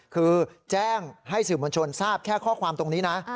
คือแจ้งให้สื่อมวลชนทราบแค่ข้อความตรงนี้นะ